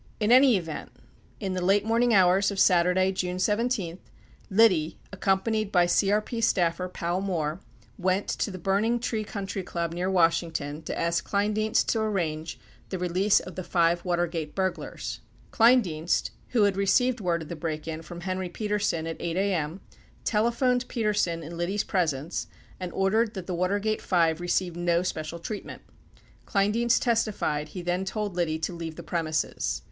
67 In any event, in the late morning hours of Saturday, June 17, Liddy, accompanied by CRP staffer Powell Moore, went to the Burning Tree Country Club near Washington to ask Kleindienst to arrange the release of the five Watergate burglars. 68 Kleindienst, who had received word of the break in from Henry Petersen at 8 a.m., telephoned Petersen in Liddy's presence and ordered that the Watergate five receive no special treatment. Kleindienst testified he then told Liddy to leave the premises.